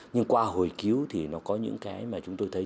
nhưng qua hồi cứu thì nó có những cái mà chúng tôi thấy